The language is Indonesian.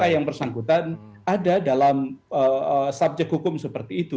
dan ada dalam subjek hukum seperti itu